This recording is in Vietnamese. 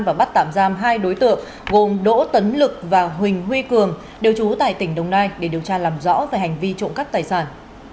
và bắt tạm giam hai đối tượng gồm đỗ tấn lực và huỳnh huy cường đều trú tại tỉnh đồng nai để điều tra làm rõ về hành vi trộm cắp tài sản